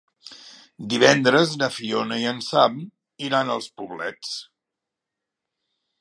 Divendres na Fiona i en Sam iran als Poblets.